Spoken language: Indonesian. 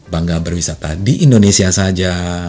bangga berwisata di indonesia saja